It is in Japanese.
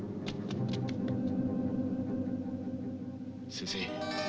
先生